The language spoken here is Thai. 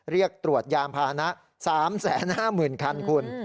เรียกตรวจยานพาหนะ๓๕๐๐๐คันคุณ